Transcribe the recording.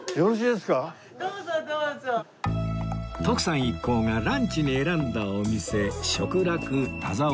徳さん一行がランチに選んだお店